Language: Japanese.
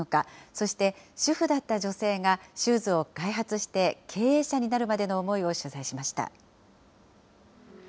そして、主婦だった女性がシューズを開発して、経営者になるまでの思いを取材しました。